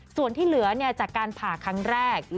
ส่วนที่เหลือจากการผ่าครั้งแรก